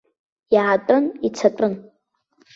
Иаатәын, ицатәын.